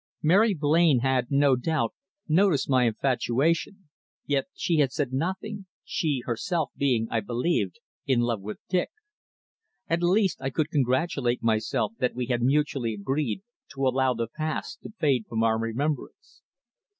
Mary Blain had, no doubt, noticed my infatuation, yet she had said nothing, she herself being, I believed, in love with Dick. At least I could congratulate myself that we had mutually agreed to allow the past to fade from our remembrance.